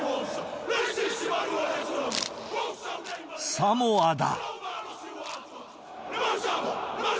サモアだ。